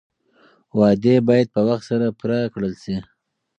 وعدې باید په وخت سره پوره کړل شي.